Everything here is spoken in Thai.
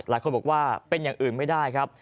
หลายคนบอกว่าเป็นอย่างอื่นไม่ได้ครับ